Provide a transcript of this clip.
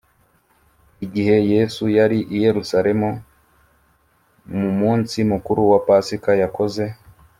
Igihe Yesu yari i Yerusalemu mu munsi mukuru wa Pasika yakoze